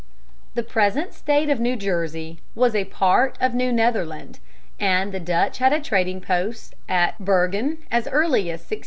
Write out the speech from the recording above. The present State of New Jersey was a part of New Netherland, and the Dutch had a trading post at Bergen as early as 1618.